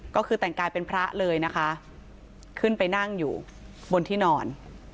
ก็คือแต่งกายเป็นพระเลยนะคะขึ้นไปนั่งอยู่บนที่นอน